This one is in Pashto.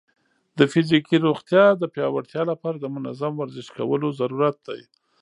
د فزیکي روغتیا د پیاوړتیا لپاره د منظم ورزش کولو ضرورت دی.